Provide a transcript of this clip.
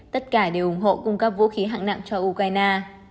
tất cả đều ủng hộ cung cấp vũ khí hạng nặng cho ukraine